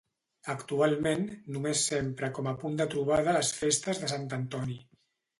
Actualment, només s'empra com a punt de trobada a les festes de Sant Antoni.